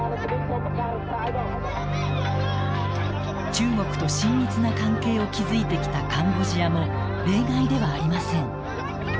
中国と親密な関係を築いてきたカンボジアも例外ではありません。